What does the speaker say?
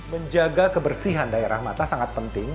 menjaga kebersihan daerah mata sangat penting